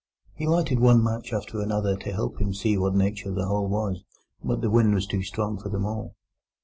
He lighted one match after another to help him to see of what nature the hole was, but the wind was too strong for them all.